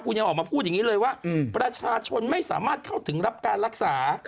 คุณยังออกมาพูดอย่างนี้เลยว่าประชาชนไม่สามารถเข้าถึงรับการรักษา